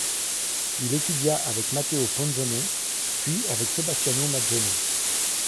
Il étudia avec Matteo Ponzone, puis avec Sebastiano Mazzoni.